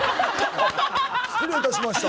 失礼いたしました。